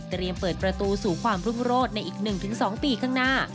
เปิดประตูสู่ความรุ่งโรศในอีก๑๒ปีข้างหน้า